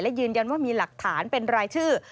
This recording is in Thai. และยืนยันว่ามีหลักฐานเป็นรายชื่อ